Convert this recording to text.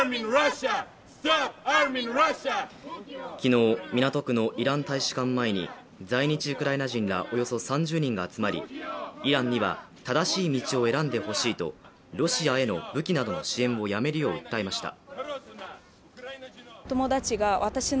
昨日、港区のイラン大使館前に在日ウクライナ人らおよそ３０人が集まり、イランには正しい道を選んでほしいとロシアへの武器などの支援をやめるよう訴えました。